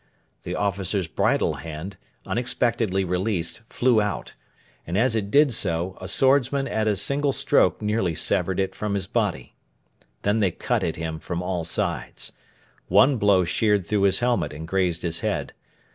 The officer's bridle hand, unexpectedly released, flew out, and, as it did so, a swordsman at a single stroke nearly severed it from his body. Then they cut at him from all sides. One blow sheared through his helmet and grazed his head.